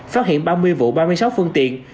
phát hiện ba mươi vụ ba mươi sáu phương tiện